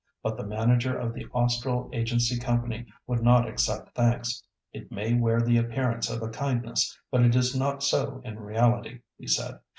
But the manager of the Austral Agency Company would not accept thanks. "It may wear the appearance of a kindness, but it is not so in reality," he said.